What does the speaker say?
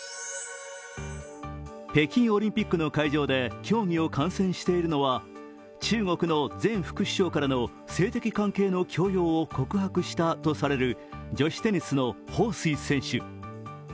北京オリンピックの会場で競技を観戦しているのは、中国の前副首相からの性的関係の強要を告白したとされる女子テニスの彭帥選手。